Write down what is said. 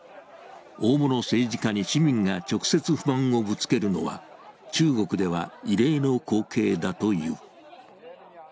大物政治家に市民が直接不満をぶつけるのは、中国では異例の光景だという。